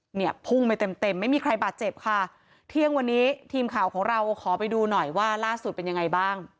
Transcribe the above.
เนี่ยพุ่งไปเต็มเต็มไม่มีใครบาดเจ็บค่ะเที่ยงวันนี้ทีมข่าวของเราขอไปดูหน่อยว่าล่าสุดเป็นยังไงบ้าง